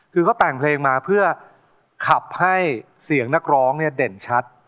คือเขาแต่งเพลงมาเพื่อขับให้เสียงนักร้องเนี่ยเด่นชัด